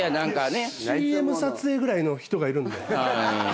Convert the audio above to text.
ＣＭ撮影ぐらいの人がいるんで。